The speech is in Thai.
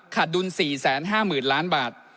ดุล๔๕๐๐๐ล้านบาท